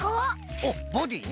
おっボディーね！